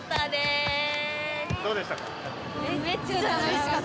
どうでしたか？